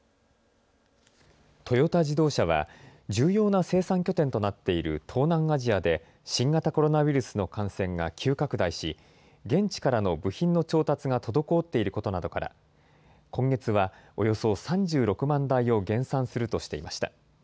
トヨタ自動車は、重要な生産拠点となっている東南アジアで、新型コロナウイルスの感染が急拡大し、現地からの部品の調達が滞っていることなどから、今月はおよそ３６万台を減産するとしていました。